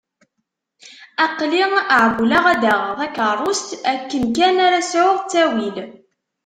Aql-i εewwleɣ ad d-aɣeɣ takeṛṛust akken kan ara sεuɣ ttawil.